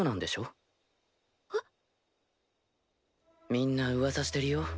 みんなうわさしてるよ。